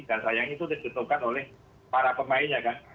dan sayangnya itu ditentukan oleh para pemainnya kan